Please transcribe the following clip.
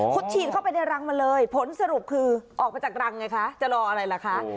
คุณฉีดเข้าไปในรังมาเลยผลสรุปคือออกมาจากรังไงคะจะรออะไรล่ะคะ